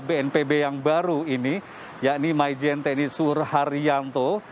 bnpb yang baru ini yakni majen tni surharyanto